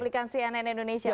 atau cuplikan cnn indonesia